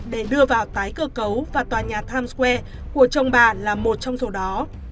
để đưa vào tái cơ cấu và tòa nhà times square của chồng bà là một trong số đó